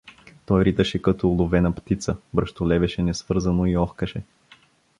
Той риташе като уловена птица, бръщолевеше несвързано и охкаше.